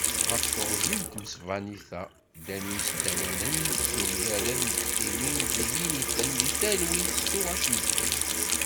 Ɣef teɣzi n tmesbanit-a, ddan yisdawanen s umgarad n tektiwin d yiniten deg talwit s tuɣac n ddkir.